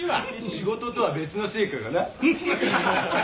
仕事とは別の成果がな。